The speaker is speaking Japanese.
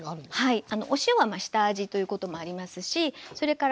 はい。